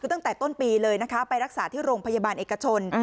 คือตั้งแต่ต้นปีเลยนะคะไปรักษาที่โรงพยาบาลเอกชน